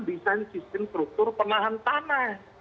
desain sistem struktur penahan tanah